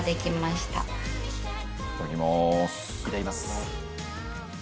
いただきます。